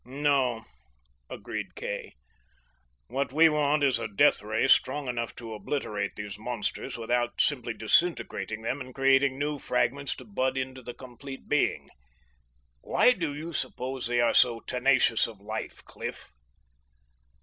"No," agreed Kay. "What we want is a death ray strong enough to obliterate these monsters, without simply disintegrating them and creating new fragments to bud into the complete being. Why do you suppose they are so tenacious of life, Cliff?"